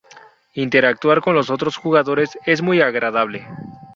Interactuar con los otros jugadores es muy agradable.